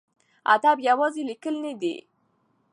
ادب یوازې لیکل نه دي.